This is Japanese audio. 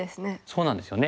そうなんですよね。